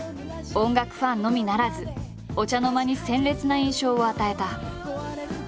音楽ファンのみならずお茶の間に鮮烈な印象を与えた。